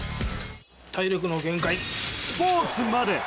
体力の限界スポーツまで！